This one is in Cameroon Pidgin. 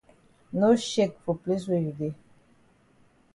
No shake for place wey you dey.